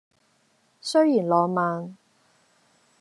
雖然浪漫